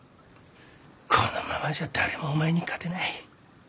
このままじゃ誰もお前に勝てない。